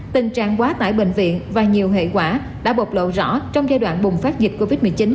tình trạng quá tải bệnh viện và nhiều hệ quả đã bộc lộ rõ trong giai đoạn bùng phát dịch covid một mươi chín